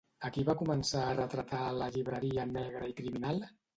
A qui va començar a retratar a la llibreria Negra i Criminal?